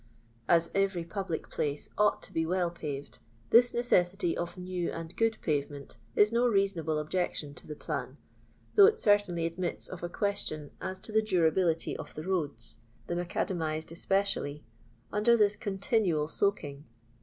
As every public place ought to be well paved, this necessity of new and gomPpavement is no reasonable objec tion to the plan, though it certainly admits of a ques tion as to the durability of the roads— the maoida mized especially — under this continual soaking.